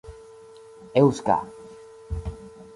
eŭska